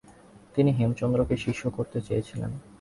তিনি হেমচন্দ্রকে শিষ্য করতে চেয়েছিলেন।